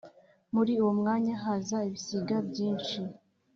Muri uwo mwanya haza ibisiga byinshi;